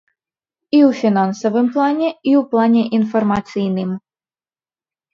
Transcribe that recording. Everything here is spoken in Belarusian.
І ў фінансавым плане, і ў плане інфармацыйным.